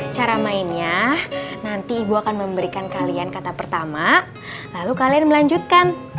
cara mainnya nanti ibu akan memberikan kalian kata pertama lalu kalian melanjutkan